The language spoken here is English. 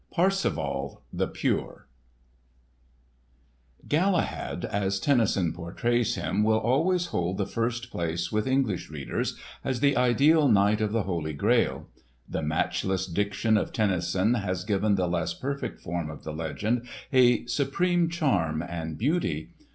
*Parsifal the Pure* (Parsifal) "Galahad, as Tennyson portrays him, will always hold the first place with English readers as the ideal Knight of the Holy Grail. The matchless diction of Tennyson has given the less perfect form of the legend a supreme charm and beauty.